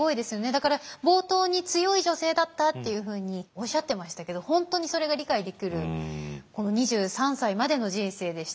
だから冒頭に強い女性だったというふうにおっしゃってましたけど本当にそれが理解できるこの２３歳までの人生でした。